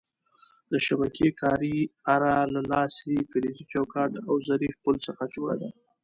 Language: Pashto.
د شبکې کارۍ اره له لاسۍ، فلزي چوکاټ او ظریف پل څخه جوړه ده.